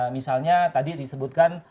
misalnya tadi disebutkan